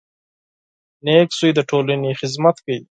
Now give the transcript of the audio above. • نېک زوی د ټولنې خدمت کوي.